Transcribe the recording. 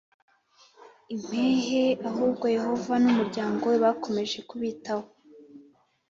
impehe Ahubwo Yehova n umuryango we bakomeje kubitaho